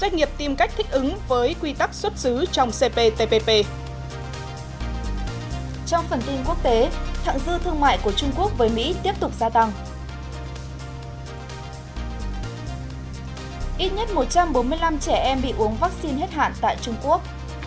ít nhất một trăm bốn mươi năm trẻ em bị uống vaccine hết hạn tại trung quốc